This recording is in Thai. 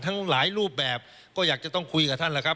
ทั้งหลายรูปแบบก็อยากจะต้องคุยกับท่านแล้วครับ